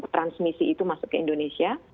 transmisi itu masuk ke indonesia